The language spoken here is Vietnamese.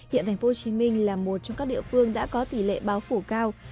hiện tp hcm là một trong các địa phương đã có tỷ lệ báo phủ cao